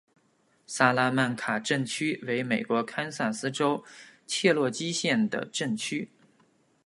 萨拉曼卡镇区为美国堪萨斯州切罗基县的镇区。